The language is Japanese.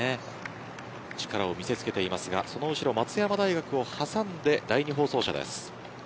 力を見せつけていますがその後ろ松山大学を挟んで第２放送車です。